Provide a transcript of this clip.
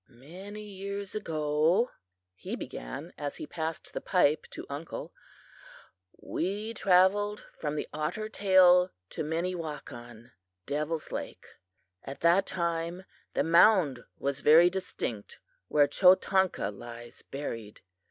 "Many years ago," he began, as he passed the pipe to uncle, "we traveled from the Otter tail to Minnewakan (Devil's Lake). At that time the mound was very distinct where Chotanka lies buried.